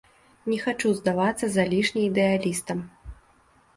Не хачу здавацца залішне ідэалістам.